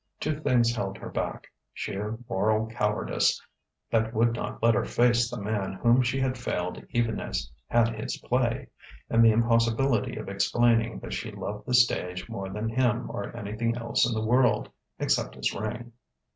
Two things held her back: sheer moral cowardice, that would not let her face the man whom she had failed even as had his play; and the impossibility of explaining that she loved the stage more than him or anything else in the world except his ring.